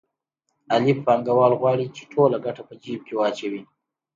الف پانګوال غواړي چې ټوله ګټه په جېب کې واچوي